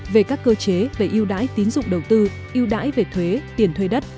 về các cơ chế về ưu đãi tín dụng đầu tư ưu đãi về thuế tiền thuê đất